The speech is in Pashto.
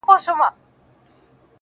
o خوب كي گلونو ســـره شپـــــې تېــروم.